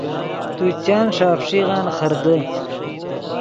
تو چند ݰے افݰیغن خردے